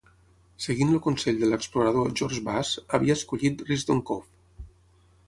Seguint el consell de l'explorador George Bass, havia escollit Risdon Cove.